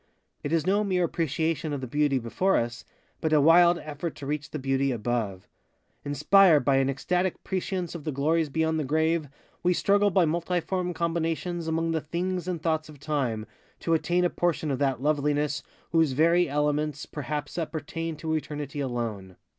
It is no mere appreciation of the Beauty before us, but a wild effort to reach the Beauty above. Inspired by an ecstatic prescience of the glories beyond the grave, we struggle by multiform combinations among the things and thoughts of Time to attain a portion of that Loveliness whose very elements perhaps appertain to eternity alone.